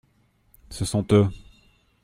Ce sont eux.